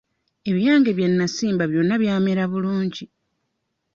Ebyange bye nnasimba byonna byamera bulungi.